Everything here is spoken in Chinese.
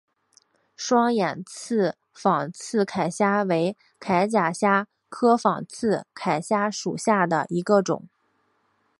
双眼刺仿刺铠虾为铠甲虾科仿刺铠虾属下的一个种。